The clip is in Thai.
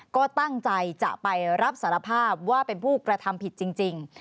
ก็ตั้งใจจะไปรับสารภาพว่าเป็นผู้กระทำผิดจริง